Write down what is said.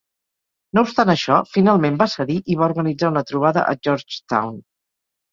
No obstant això, finalment va cedir i va organitzar una trobada a Georgetown.